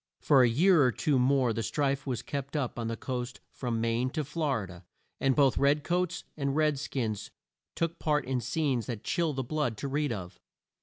For a year or two more the strife was kept up on the coast from Maine to Flor i da, and both red coats and red skins took part in scenes that chill the blood to read of.